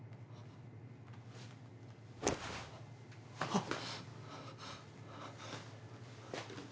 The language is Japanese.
あっ。